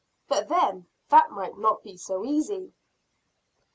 But then that might not be so easy.